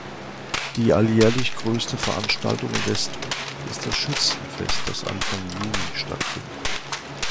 Die alljährlich größte Veranstaltung in Westrup ist das Schützenfest, das Anfang Juni stattfindet.